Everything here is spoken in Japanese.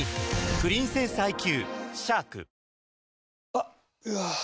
あっ、うわー。